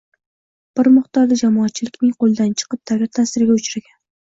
bir miqdorda jamoatchilikning qo‘lidan chiqib, davlat ta’siriga uchragan.